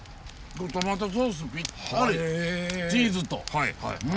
トマトソースぴったりチーズと。